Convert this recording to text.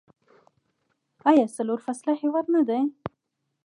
آیا څلور فصله هیواد نه دی؟